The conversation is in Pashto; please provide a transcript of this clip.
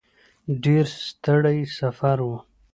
ډېر ستړی سفر و.